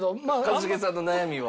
一茂さんの悩みは？